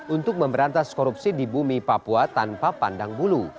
untuk memberantas korupsi di bumi papua tanpa pandang bulu